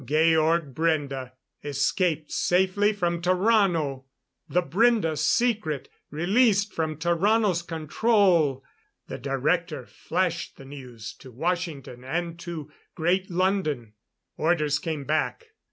Georg Brende, escaped safely from Tarrano! The Brende secret released from Tarrano's control! The Director flashed the news to Washington and to Great London. Orders came back.